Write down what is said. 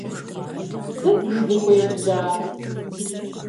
Сыт зызыхъуэжар?